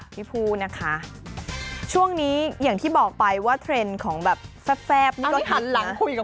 พี่ฟูนะคะช่วงนี้อย่างที่บอกไปว่าเทรนด์ของแบบแฟบนี่ก็ทันละ